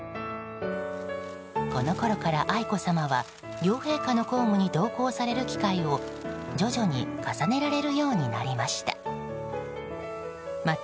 このころから愛子さまは両陛下の公務に同行される機会を徐々に重ねられるようになりました。